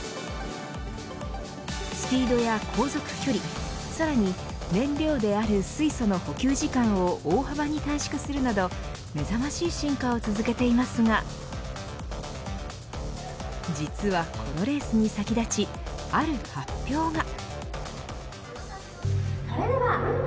スピードや航続距離さらに燃料である水素の補給時間を大幅に短縮するなどめざましい進化を続けていますが実は、このレースに先立ちある発表が。